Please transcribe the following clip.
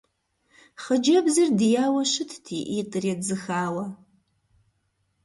Хъыджэбзыр дияуэ щытт и ӏитӏыр едзыхауэ.